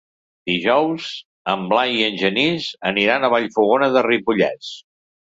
Dijous en Blai i en Genís aniran a Vallfogona de Ripollès.